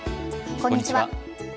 こんにちは。